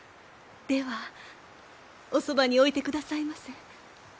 ではおそばに置いてくださいませ。